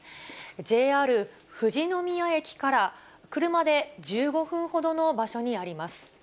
ＪＲ富士宮駅から車で１５分ほどの場所にあります。